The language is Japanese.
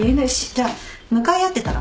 じゃあ向かい合ってたら？